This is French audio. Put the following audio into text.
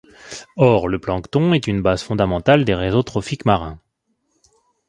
Or le plancton est une base fondamentale des réseaux trophiques marins.